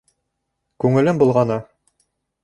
Күңелем болғана.